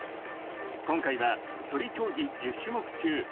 今回はそり競技１０種目中